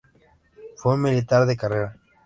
Fue un militar de carrera.